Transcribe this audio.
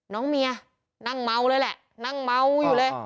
น้องเมียนั่งเมาเลยแหละนั่งเมาอยู่เลย